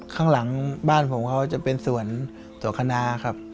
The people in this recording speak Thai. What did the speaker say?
ข้างหลังบ้านผมเขาจะเป็นสวนสัวคณะครับ